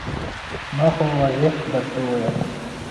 ما خو واضح درته وویل.